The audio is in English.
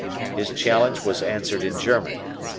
His challenge was answered in German.